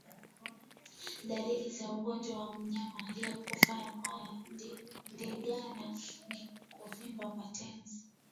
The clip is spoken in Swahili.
Dalili za ugonjwa kwa mnyama aliyekufa kwa ndigana ni kuvimba kwa tezi